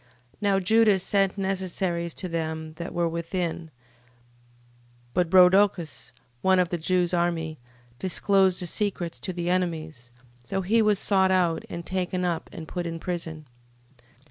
13:20. Now Judas sent necessaries to them that were within 13:21. But Rhodocus, one of the Jews' army, disclosed the secrets to the enemies, so he was sought out, and taken up, and put in prison.